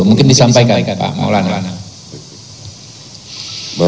mungkin disampaikan pak maulana